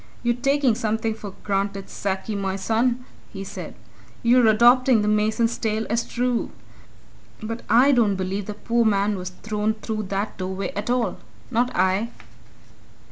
"You're taking something for granted, Sackie, my son!" he said. "You're adopting the mason's tale as true. But I don't believe the poor man was thrown through that doorway at all not I!"